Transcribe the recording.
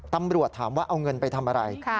ตำรวจถามว่าเอาเงินไปทำอะไร